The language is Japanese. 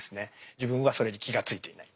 自分はそれに気が付いていない。